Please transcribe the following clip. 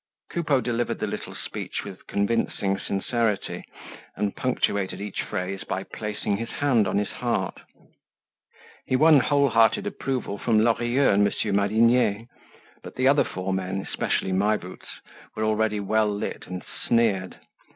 Coupeau delivered the little speech with convincing sincerity and punctuated each phrase by placing his hand on his heart. He won whole hearted approval from Lorilleux and Monsieur Madinier; but the other four men, especially My Boots, were already well lit and sneered.